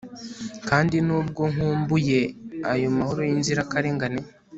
kandi nubwo nkumbuye ayo mahoro yinzirakarengane